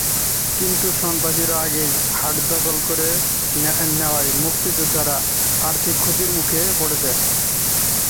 কিন্তু সন্ত্রাসীরা আগেই হাট দখল করে নেওয়ায় মুক্তিযোদ্ধারা আর্থিক ক্ষতির মুখে পড়েছেন।